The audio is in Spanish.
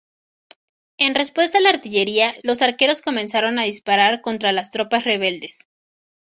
En respuesta a la artillería, los arqueros comenzaron a disparar contra las tropas rebeldes.